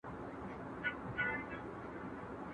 زما د څانګې په څادر کښې شپه ده